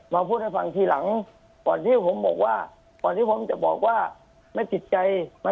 มาพูดให้ฟังทีหลังก่อนที่ผมบอกว่า